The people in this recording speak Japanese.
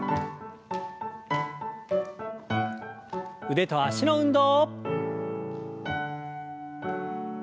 腕と脚の運動。